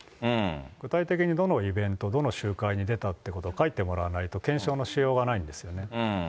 具体的にどのイベント、どの集会に出たってことを書いてもらわないと検証のしようがないんですよね。